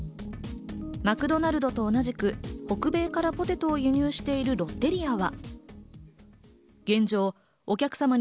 マクドナルドと同じく北米からポテトを輸入しているロッテリアは。